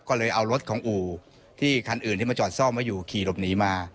ก็เลยเอารถของอู่ที่คันอื่นที่มาจอดซ่อมไว้อยู่ขี่หลบหนีมา